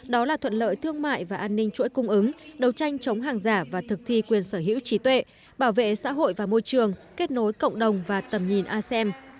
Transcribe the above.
đó là thuận lợi thương mại và an ninh chuỗi cung ứng đấu tranh chống hàng giả và thực thi quyền sở hữu trí tuệ bảo vệ xã hội và môi trường kết nối cộng đồng và tầm nhìn asem